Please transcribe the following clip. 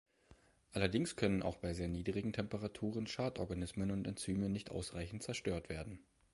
Allerdings können auch bei sehr niedrigen Temperaturen Schadorganismen und Enzyme nicht ausreichend zerstört werden.